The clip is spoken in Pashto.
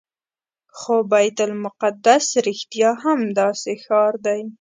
خو بیت المقدس رښتیا هم داسې ښار دی.